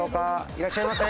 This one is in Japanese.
いらっしゃいませ。